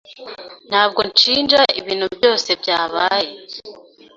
Ntabwo nshinja ibintu byose byabaye.